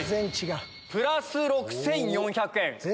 プラス６４００円。